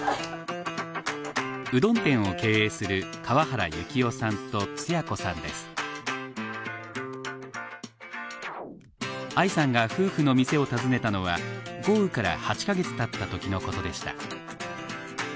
うどん店を経営する愛さんが夫婦の店を訪ねたのは豪雨から８か月たった時のことでした。